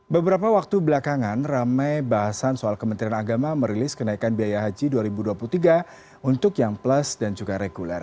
beberapa waktu belakangan ramai bahasan soal kementerian agama merilis kenaikan biaya haji dua ribu dua puluh tiga untuk yang plus dan juga reguler